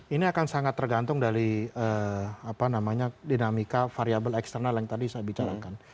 ini akan sangat tergantung dari dinamika variable eksternal yang tadi saya bicarakan